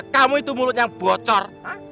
kamu itu mulut yang bocor